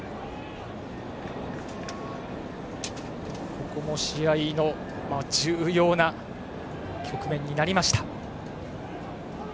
ここも試合の重要な局面になりました。